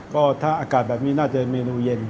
ก็ถ้าอากาศแบบนี้น่าจะเมนูเย็น